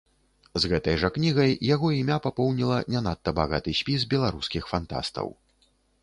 З гэтай жа кнігай яго імя папоўніла не надта багаты спіс беларускіх фантастаў.